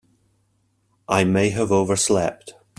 I may have overslept.